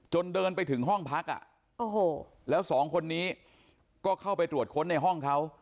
เดินไปถึงห้องพักแล้วสองคนนี้ก็เข้าไปตรวจค้นในห้องเขา